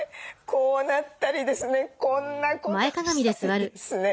こうなったりですねこんなことをしたりですね。